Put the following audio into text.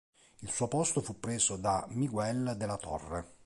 Il suo posto fu preso da Miguel de la Torre.